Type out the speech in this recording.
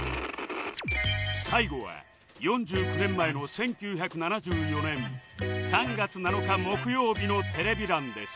最後は４９年前の１９７４年３月７日木曜日のテレビ欄です